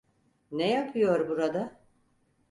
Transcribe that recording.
Ne yapıyor burada?